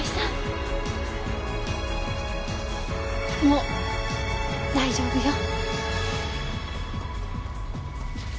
もう大丈夫よ。